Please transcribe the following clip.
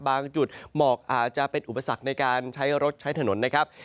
จุดหมอกอาจจะเป็นอุปสรรคในการใช้รถใช้ถนนนะครับ